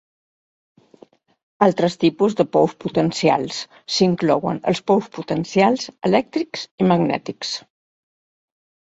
Altres tipus de pous potencials s'inclouen els pous potencials elèctrics i magnètics.